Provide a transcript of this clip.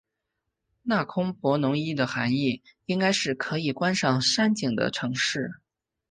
那空拍侬的涵义应该是可以观赏山景的城市。